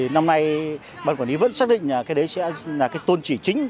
năm nay ban quản lý vẫn xác định là cái đấy sẽ là cái tôn chỉ chính